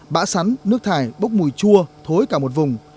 bã sắn nước thải bốc mùi chua thối cả một vùng